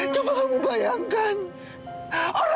kamu masih peduli sama anak kandung papi